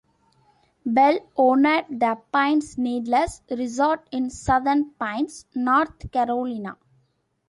Bell owned the Pines Needles Resort in Southern Pines, North Carolina.